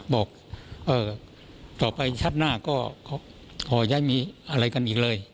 บอกต่อไปชัดหน้าก็ขอย้ายมีอะไรกันอีกเลย